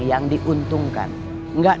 yang diuntungkan nggak